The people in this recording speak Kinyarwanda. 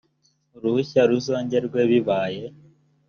uruhushya ruzongerwe bibaye